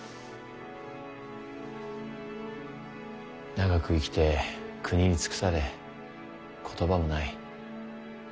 長く生きて国に尽くされ言葉もない。